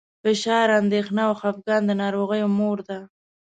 فشار، اندېښنه او خپګان د ناروغیو مور ده.